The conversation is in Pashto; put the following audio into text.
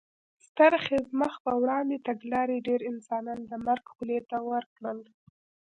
ستر خېز مخ په وړاندې تګلارې ډېر انسانان د مرګ خولې ته ور کړل.